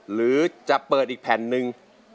หรือจะเปิดอีกแผ่นหนึ่ง